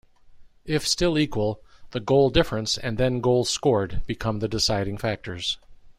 If still equal, the goal difference and then goals scored become the deciding factors.